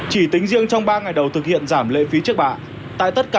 chỉ tính riêng trong ba ngày đầu thực hiện giảm lệ phí trước bạ